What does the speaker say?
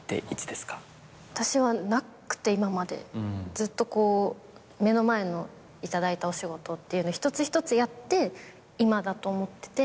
ずっと目の前の頂いたお仕事っていうのを一つ一つやって今だと思ってて。